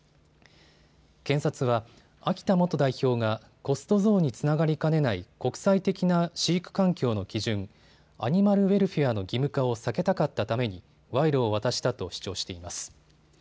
検察は、秋田元代表がコスト増につながりかねない国際的な飼育環境の基準アニマルウェルフェアの義務化を避けたかったために賄賂を渡したと主張しています。